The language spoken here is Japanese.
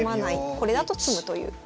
これだと詰むという。